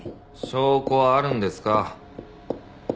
証拠はあるんですか？